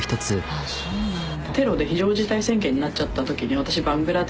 あっそうなんだ。